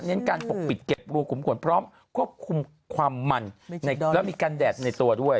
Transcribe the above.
การปกปิดเก็บรูขุมขนพร้อมควบคุมความมันแล้วมีการแดดในตัวด้วย